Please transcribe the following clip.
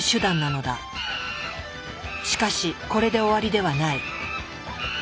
しかしこれで終わりではない。